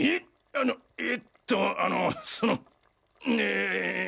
あのえっとあのそのええ。